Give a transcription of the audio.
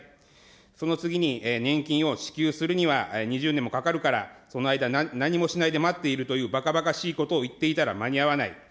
その次に、年金を支給するには、２０年もかかるから、その間何もしないで待っているというばかばかしいことを言っていたら間に合わない。